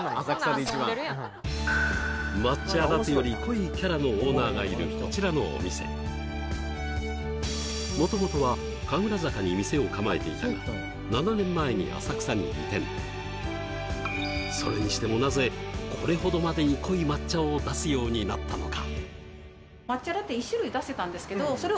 抹茶ラテより濃いキャラのオーナーがいるこちらのお店元々は神楽坂に店を構えていたが７年前に浅草に移転それにしてもなぜこれほどまでに濃い抹茶を出すようになったのか？